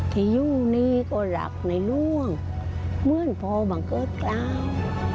ที่อยู่นี้ก็รักในหลวงเหมือนพ่อบังเกิดเกล้า